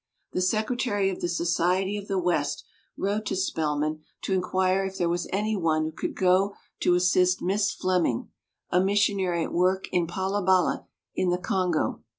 The secretary of tiie Society of the West wrote to Spelman to inquire if there was any one who could go to assist Miss Fleming, a missionary at work in Palabala in the Congo.